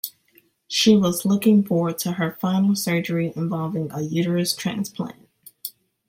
She was looking forward to her final surgery involving a uterus transplant.